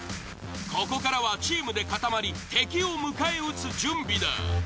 ここからはチームで固まり敵を迎え撃つ準備だ。